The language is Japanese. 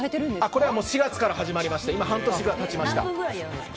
これは４月から始まりまして半年経ちました。